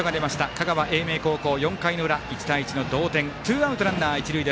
香川・英明高校４回の裏１対１の同点ツーアウト、ランナー、一塁。